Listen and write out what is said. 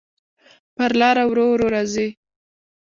پر لاره ورو، ورو راځې